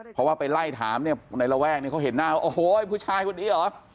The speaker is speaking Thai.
เพราะว่าไปไล่ถามเนี่ยในระแวกเนี่ยเขาเห็นหน้าว่าโอ้โหผู้ชายคนนี้เหรอ